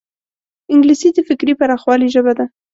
انګلیسي د فکري پراخوالي ژبه ده